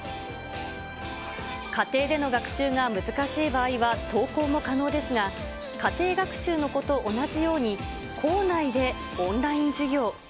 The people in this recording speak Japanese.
家庭での学習が難しい場合は登校も可能ですが、家庭学習の子と同じように、校内でオンライン授業。